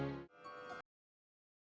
cepat pergi dari sini jangan lupa perubahan itu